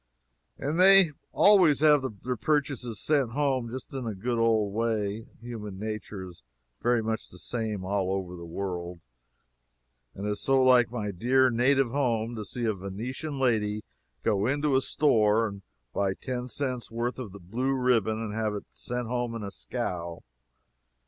And they always have their purchases sent home just in the good old way. Human nature is very much the same all over the world; and it is so like my dear native home to see a Venetian lady go into a store and buy ten cents' worth of blue ribbon and have it sent home in a scow.